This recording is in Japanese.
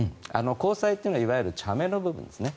虹彩というのはいわゆる茶目の部分ですね。